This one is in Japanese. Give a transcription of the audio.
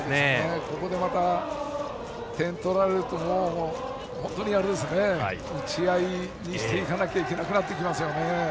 ここでまた点を取られるともう打ち合いにしていかなきゃなってきますよね。